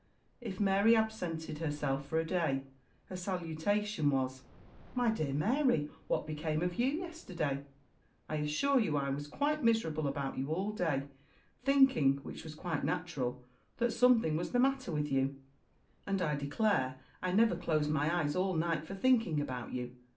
If Mary absented herself for a day, her salutation was, "My dear Mary, what became of you yesterday? I assure you I was quite miserable about you all day, thinking, which was quite natural, that something was the matter with you; and I declare I never closed my eyes all night for thinking about you.